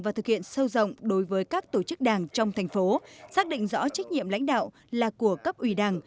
và thực hiện sâu rộng đối với các tổ chức đảng trong thành phố xác định rõ trách nhiệm lãnh đạo là của cấp ủy đảng